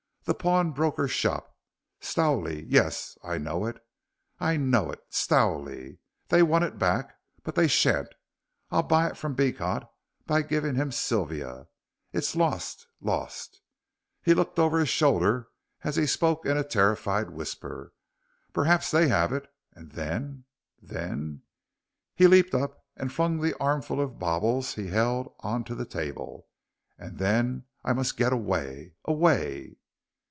The pawnbroker's shop. Stowley yes I know it. I know it. Stowley. They want it back; but they sha'n't. I'll buy it from Beecot by giving him Sylvia. It's lost lost." He looked over his shoulder as he spoke in a terrified whisper. "Perhaps they have it, and then then," he leaped up and flung the armful of baubles he held on to the deal table, "and then I must get away away."